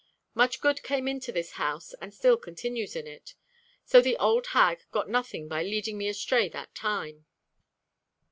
Much good came into this house and still continues in it.... So the old hag got nothing by leading me astray that time.'